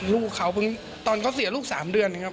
ลูกเขาตอนเขาเสียลูก๓เดือน